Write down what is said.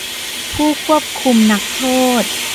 ผู้ควบคุมนักโทษ